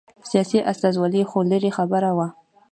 سیاسي استازولي خو لرې خبره وه